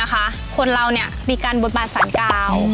คนเราบริการบริบาทสารกาว